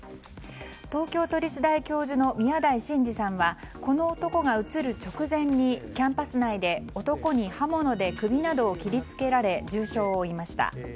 東京都立大教授の宮台真司さんはこの男が映る直前にキャンパス内で男に刃物で首などを切りつけられ重傷を負いました。